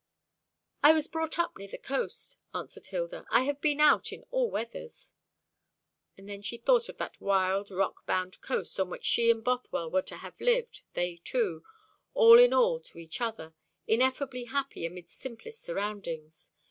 "I was brought up near the coast," answered Hilda. "I have been out in all weathers." And then she thought of that wild, rock bound coast on which she and Bothwell were to have lived, they two, all in all to each other, ineffably happy amidst simplest surroundings.